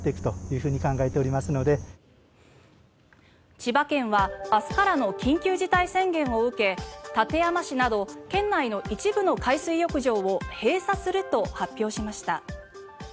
千葉県は明日からの緊急事態宣言を受け館山市など県内の一部の海水浴場を閉鎖すると発表しました。